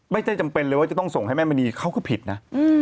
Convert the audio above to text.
จำเป็นเลยว่าจะต้องส่งให้แม่มณีเขาก็ผิดนะ